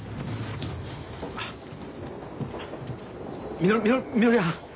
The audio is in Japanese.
みのみのみのりはん。